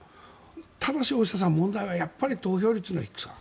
ただし、大下さん問題は投票率の低さ。